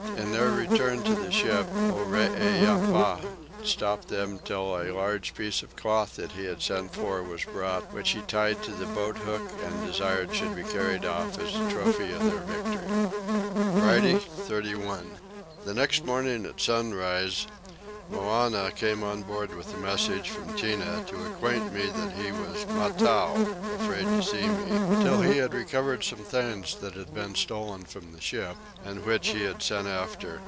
In their return to the ship Oreepyah stopped them till a large piece of cloth that he had sent for was brought; which he tied to the boat hook and desired should be carried off as a trophy of their victory. Friday 31. The next morning at sunrise Moannah came on board with a message from Tinah to acquaint me that he was mattow (afraid to see me) till he had recovered some things that had been stolen from the ship and which he had sent after.